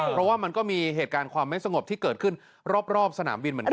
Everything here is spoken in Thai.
เพราะว่ามันก็มีเหตุการณ์ความไม่สงบที่เกิดขึ้นรอบสนามบินเหมือนกัน